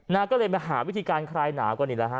นางก็เลยมาหาวิธีการคลายหนาวกว่านี้แล้วฮะ